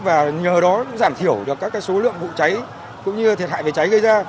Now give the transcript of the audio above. và nhờ đó giảm thiểu được các số lượng vụ cháy cũng như thiệt hại về cháy gây ra